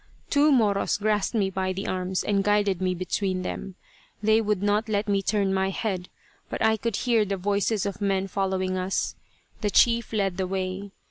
Two Moros grasped me by the arms and guided me between them. They would not let me turn my head, but I could hear the voices of men following us. The chief led the way.